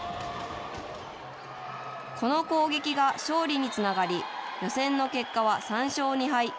この攻撃が勝利につながり、予選の結果は３勝２敗。